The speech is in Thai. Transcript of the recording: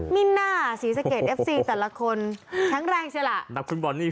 มิน่าศรีสเกตเอฟซีแต่ละคนแข็งแรงใช่ล่ะดับคุณบอลนี่